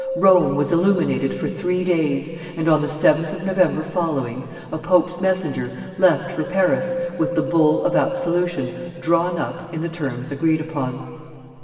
Rome was illuminated for three days, and, on the 7th of November following, a pope's messenger left for Paris with the bull of absolution drawn up in the terms agreed upon.